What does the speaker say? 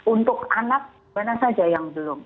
untuk anak mana saja yang belum